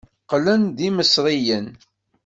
Qqlen d imesriyen.